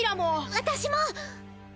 私も。